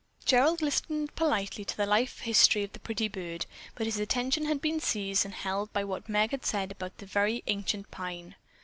Gerald listened politely to the life history of the pretty bird, but his attention had been seized and held by what Meg had said about the very ancient pine.